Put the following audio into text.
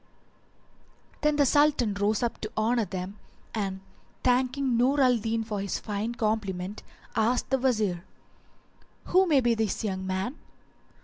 "[FN#384] Then the Sultan rose up to honour them, and thanking Nur al Din for his fine compliment, asked the Wazir, "Who may be this young man?"